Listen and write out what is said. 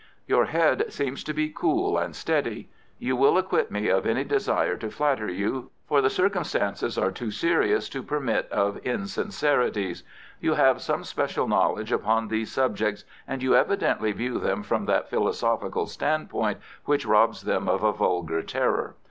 "Your head seems to be cool and steady. You will acquit me of any desire to flatter you, for the circumstances are too serious to permit of insincerities. You have some special knowledge upon these subjects, and you evidently view them from that philosophical standpoint which robs them of all vulgar terror.